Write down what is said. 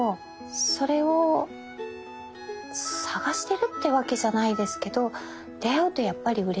それを探してるってわけじゃないですけど出会うとやっぱりうれしいですよね。